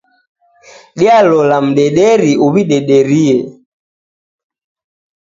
Dialola mdederi uw'idederie